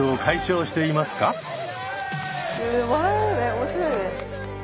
面白いね。